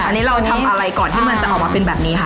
อันนี้เราทำอะไรก่อนที่มันจะออกมาเป็นแบบนี้ค่ะ